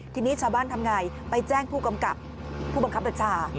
ทีนี้ชาวบ้านทำอย่างไรไปแจ้งผู้บังคับเดินชา